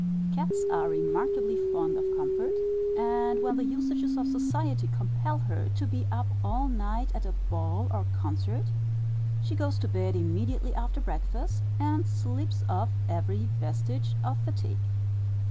Cats are remarkably fond of comfort, and when the usages of society compel her to be up all night at a ball or concert, she goes to bed immediately after breakfast, and sleeps off every vestige of fatigue.